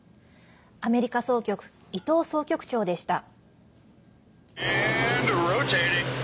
アメリカ総局伊藤総局長でした。